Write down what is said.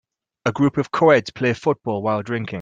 A group of coeds play football while drinking.